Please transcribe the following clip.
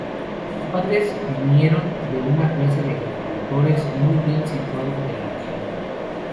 Sus padres vinieron de una clase de agricultores muy bien situado de la región.